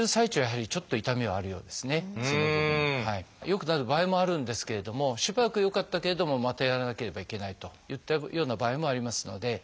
良くなる場合もあるんですけれどもしばらく良かったけれどもまたやらなければいけないといったような場合もありますので。